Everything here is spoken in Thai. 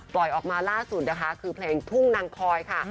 ออกมาล่าสุดนะคะคือเพลงทุ่งนางคอยค่ะ